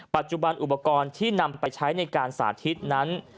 ปัจจุบันอุปกรณ์ที่นำไปใช้ในการสาธิตนั้น